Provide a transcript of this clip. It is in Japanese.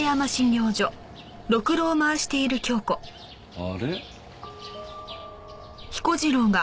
あれ？